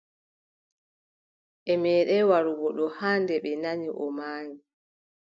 Ɓe meeɗaay warugo ɗo haa nde ɓe nani o maayi.